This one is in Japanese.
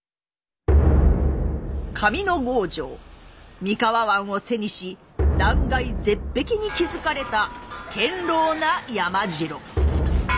上ノ郷城三河湾を背にし断崖絶壁に築かれた堅牢な山城。